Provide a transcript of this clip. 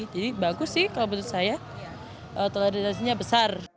jadi bagus sih kalau menurut saya toleransinya besar